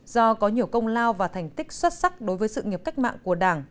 do có nhiều công lao và thành tích xuất sắc đối với sự nghiệp cách mạng của đảng